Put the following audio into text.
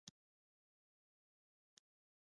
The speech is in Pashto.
تجربه لرونکي مشران دي